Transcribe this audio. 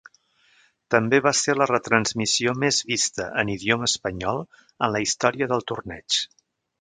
També va ser la retransmissió més vista en idioma espanyol en la història del torneig.